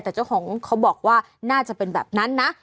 แต่เจ้าของเขาบอกว่าน่าจะเป็นแบบนั้นนะ